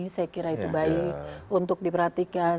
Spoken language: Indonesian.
saya kira itu baik untuk diperhatikan